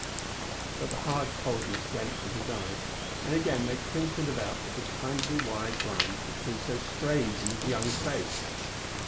But the hard coldness went from his eyes, and again they crinkled about with the kindly, wise lines that seemed so strange in his young face.